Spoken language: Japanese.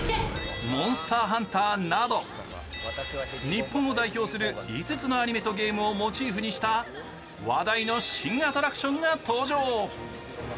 日本を代表する５つのアニメとゲームをモチーフにした話題の新アトラクションが登場。